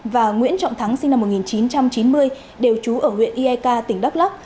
và nguyễn trọng thắng sinh năm một nghìn chín trăm chín mươi đều trú ở huyện eak tỉnh đắk lắc